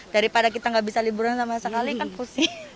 daripada kita nggak bisa liburan sama sekali kan pusing